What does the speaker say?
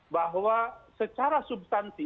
bahwa secara substansi